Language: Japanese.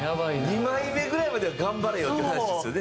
２枚目ぐらいまでは頑張れよっていう話ですよね。